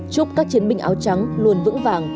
chúc các chiến binh áo trắng luôn vững vàng